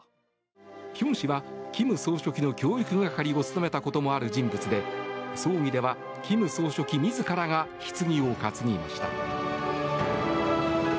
ヒョン氏は金総書記の教育係を務めたこともある人物で葬儀では、金総書記自らがひつぎを担ぎました。